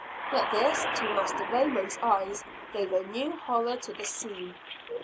But this, to Master Raymond's eyes, gave a new horror to the scene.